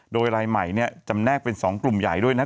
โดยรายใหม่จำแนกเป็น๒กลุ่มใหญ่ด้วยนะ